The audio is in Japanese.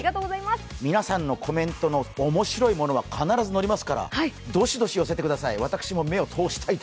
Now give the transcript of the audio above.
皆さんのコメントの面白いものは必ず載りますからどしどし寄せてください